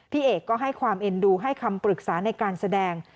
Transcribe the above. พี่เอกก็ให้ความเอ็นดูให้คำปรึกษาในการแสดง